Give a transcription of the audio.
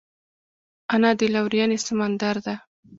انا د لورینې سمندر ده